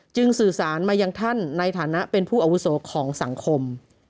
สื่อสารมายังท่านในฐานะเป็นผู้อาวุโสของสังคม